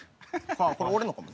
これ俺のかも。